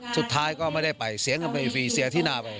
สุดท้ายก็ไม่ได้ไปเสียเงินไปฟรีเสียที่นาไป